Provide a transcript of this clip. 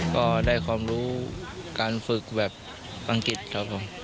ก็ได้ความรู้การฝึกแบบอังกฤษครับผม